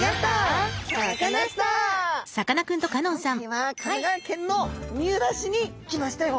さあ今回は神奈川県の三浦市に来ましたよ。